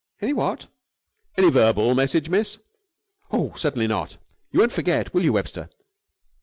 "Any what?" "Any verbal message, miss?" "No, certainly not! You won't forget, will you, Webster?"